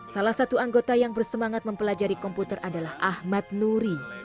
salah satu anggota yang bersemangat mempelajari komputer adalah ahmad nuri